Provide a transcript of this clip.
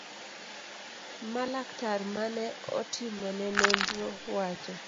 ma laktar mane otimo ne nonro wacho